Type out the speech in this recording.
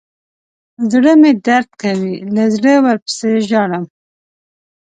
زړه مې درد کوي له زړه ورپسې ژاړم.